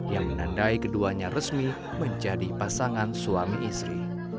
yang menandai keduanya resmi menjadi pasangan suami istri